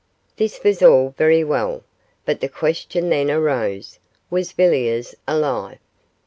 This was all very well, but the question then arose, was Villiers alive?